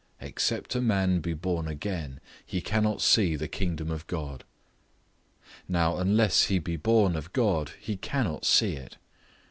"Except a man be born again, he cannot see the kingdom of God." Now unless he be born of God, he cannot see it.